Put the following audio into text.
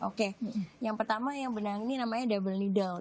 oke yang pertama yang benang ini namanya double nih down